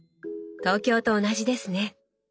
東京と同じですね。